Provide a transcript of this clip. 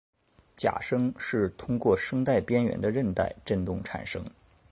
假声是通过声带边缘的韧带振动产生。